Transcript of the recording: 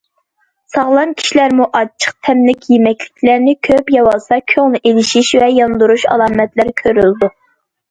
ساغلام كىشىلەرمۇ ئاچچىق تەملىك يېمەكلىكلەرنى كۆپ يەۋالسا، كۆڭلى ئېلىشىش ۋە ياندۇرۇش ئالامەتلىرى كۆرۈلىدۇ.